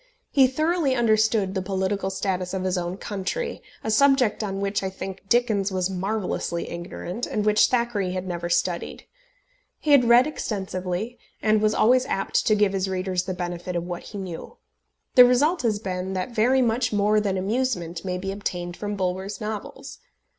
He thoroughly understood the political status of his own country, a subject on which, I think, Dickens was marvellously ignorant, and which Thackeray had never studied. He had read extensively, and was always apt to give his readers the benefit of what he knew. The result has been that very much more than amusement may be obtained from Bulwer's novels.